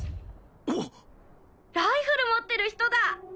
おっライフル持ってる人だ！